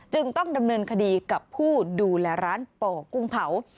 ต้องดำเนินคดีกับผู้ดูแลร้านป่อกุ้งเผา